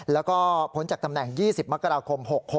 แล้วก็พ้นจากตำแหน่ง๒๐มกราคม๖๖